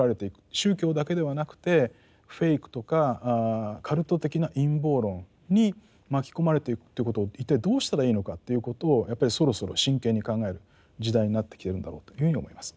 宗教だけではなくてフェイクとかカルト的な陰謀論に巻き込まれていくということを一体どうしたらいいのかということをやっぱりそろそろ真剣に考える時代になってきてるんだろうというふうに思います。